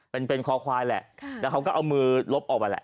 เป็นเป็นคอควายแหละแล้วเขาก็เอามือลบออกไปแหละ